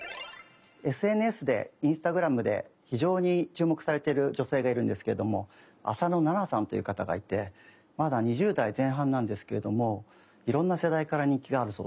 ＳＮＳでＩｎｓｔａｇｒａｍで非常に注目されてる女性がいるんですけれども浅野ナナさんという方がいてまだ２０代前半なんですけれどもいろんな世代から人気があるそうです。